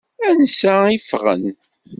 Ansa i ffɣen?